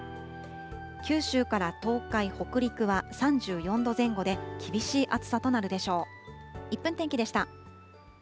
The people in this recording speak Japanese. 九州から東海、北陸は３４度前後で、厳しい暑さとなるでしょう。